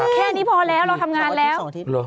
แค่นี้พอแล้วเราทำงานแล้ว